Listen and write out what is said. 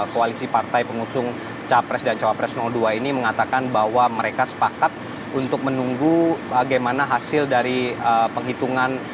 koalisi partai pengusung capres dan cawapres dua ini mengatakan bahwa mereka sepakat untuk menunggu bagaimana hasil dari penghitungan